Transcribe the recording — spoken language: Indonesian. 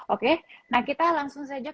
oke nah kita langsung saja